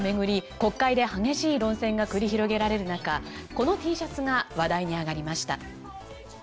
国会で激しい論戦が繰り広げられる中このＴシャツが話題に上がりました。